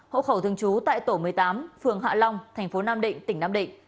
hộ khẩu thường trú tại tổ một mươi tám phường hạ long thành phố nam định tỉnh nam định